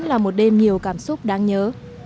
và một đêm nhiều cảm xúc đáng nhớ